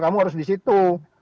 kamu harus di situ